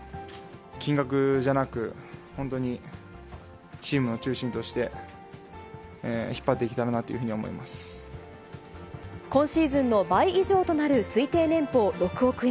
金額じゃなく、本当にチームの中心として引っ張っていけたらなというふうに思っ今シーズンの倍以上となる推定年俸６億円。